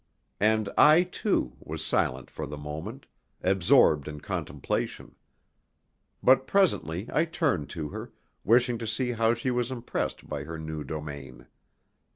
And I, too, was silent for the moment, absorbed in contemplation. But presently I turned to her, wishing to see how she was impressed by her new domain.